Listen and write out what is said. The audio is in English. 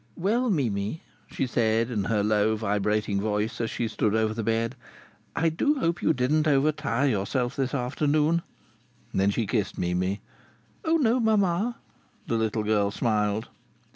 "Well, Mimi," she said in her low, vibrating voice, as she stood over the bed, "I do hope you didn't overtire yourself this afternoon." Then she kissed Mimi. "Oh no, mamma!" The little girl smiled.